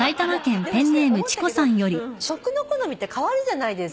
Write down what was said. でも思ったけど食の好みって変わるじゃないですか。